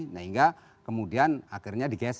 nah hingga kemudian akhirnya dikonsumsi